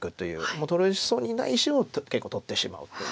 もう取れそうにない石を結構取ってしまうという。